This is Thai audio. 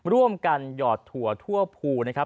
ร่วมกันหยอดถั่วทั่วภูนะครับ